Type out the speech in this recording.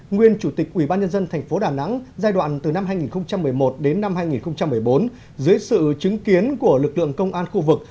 nguyên chủ tịch ubnd tp đà nẵng giai đoạn từ năm hai nghìn một mươi một đến năm hai nghìn một mươi bốn dưới sự chứng kiến của lực lượng công an khu vực